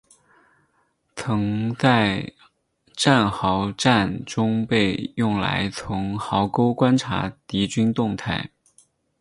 曾在堑壕战中被用来从壕沟观察敌军动态。